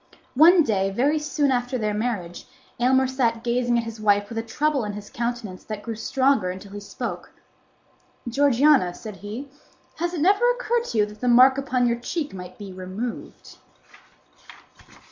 One day, very soon after their marriage, Aylmer sat gazing at his wife with a trouble in his countenance that grew stronger until he spoke. "Georgiana," said he, "has it never occurred to you that the mark upon your cheek might be removed?"